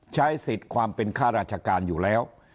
ใช้สิทธิ์ความเป็นข้าราชการอยู่แล้ว